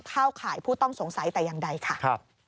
เข้าข่ายผู้ต้องสงสัยแต่อย่างใดค่ะ